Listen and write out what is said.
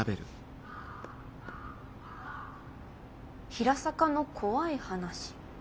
・「『平坂』の怖い話。